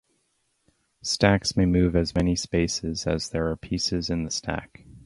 Stacks may move as many spaces as there are pieces in the stack.